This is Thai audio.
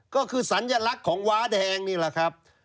ก็คือสัญลักษณ์ของว้าแดงนี่แหละครับ